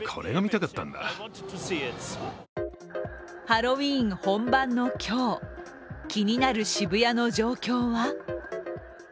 ハロウィーン本番の今日気になる渋谷の状況は？